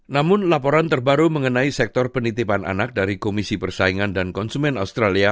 namun laporan terbaru mengenai sektor penitipan anak dari komisi persaingan dan konsumen australia